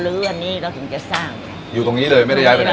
อันนี้เราถึงจะสร้างอยู่ตรงนี้เลยไม่ได้ย้ายไปไหน